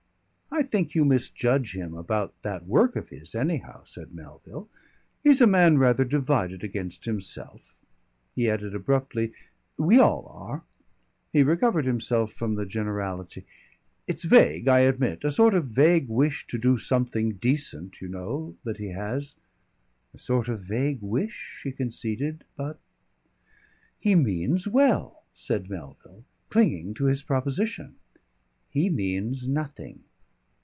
"I think you misjudge him about that work of his, anyhow," said Melville. "He's a man rather divided against himself." He added abruptly, "We all are." He recovered himself from the generality. "It's vague, I admit, a sort of vague wish to do something decent, you know, that he has " "A sort of vague wish," she conceded; "but " "He means well," said Melville, clinging to his proposition. "He means nothing.